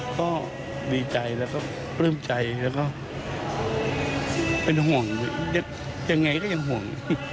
ก็ดีใจแล้วก็ปลื้มใจแล้วก็เป็นห่วงยังไงก็ยังห่วง